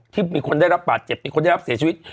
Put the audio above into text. ที่มีคนได้รับบาดเจ็บมีคนได้รับเสียชีวิต